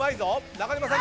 中島さん